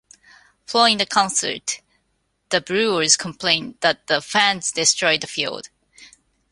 Following the concert, the Brewers complained that the fans destroyed the field.